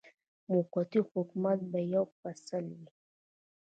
موقتي حکومت به یې یو فصل وي.